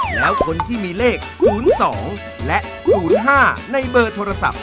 แล้วคนที่มีเลข๐๒และ๐๕ในเบอร์โทรศัพท์